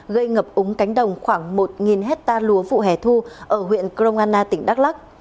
gây ngập úng cánh đồng khoảng một hectare lúa vụ hẻ thu ở huyện kroana tỉnh đắk lắc